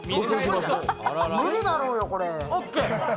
無理だろうよ、これ。